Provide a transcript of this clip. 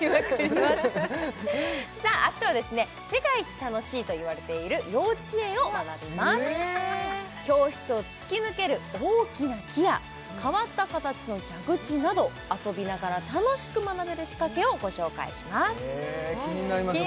明日は世界一楽しいといわれている幼稚園を学びます教室を突き抜ける大きな木や変わった形の蛇口など遊びながら楽しく学べる仕掛けをご紹介しますへえ気になりますね